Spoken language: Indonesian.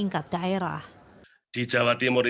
keadaan yang lebih baik untuk pemerintah di jawa timur